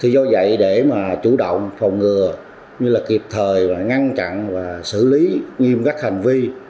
do vậy để chủ động phòng ngừa kịp thời ngăn chặn và xử lý nghiêm gắt hành vi